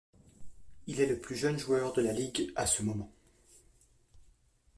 Il est le plus jeune joueur de la ligue à ce moment.